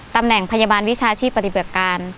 ตำแหน่งพยาบาลวิชาชีพปฏิบัติการ